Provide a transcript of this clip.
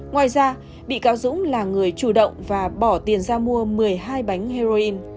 ngoài ra bị cáo dũng là người chủ động và bỏ tiền ra mua một mươi hai bánh heroin